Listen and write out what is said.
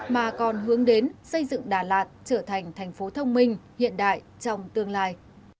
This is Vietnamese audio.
mà còn hướng đến xây dựng đà lạt trở thành thành phố thông minh hiện đại trong tương lai